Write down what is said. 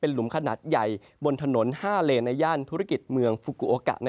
หลุมขนาดใหญ่บนถนน๕เลนในย่านธุรกิจเมืองฟูกูโอกะ